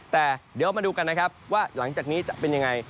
แต่เดี๋ยวมาดูกันนะครับว่าหลังจากนี้จะเป็นยังไง